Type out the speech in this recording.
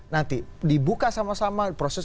nanti dibuka sama sama proses